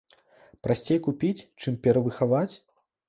Прасцей купіць, чым перавыхаваць?